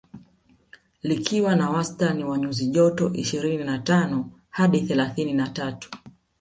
Likiwa na wastani wa nyuzi joto ishirini na tano hadi thelathini na tatu